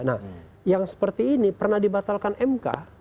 nah yang seperti ini pernah dibatalkan mk